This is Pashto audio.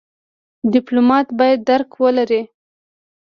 ډيپلومات بايد درک ولري.